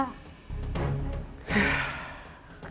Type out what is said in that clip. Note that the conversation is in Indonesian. aku udah ngembali ke rumahnya